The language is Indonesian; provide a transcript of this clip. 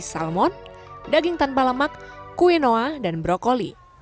salmon daging tanpa lemak quinoa dan brokoli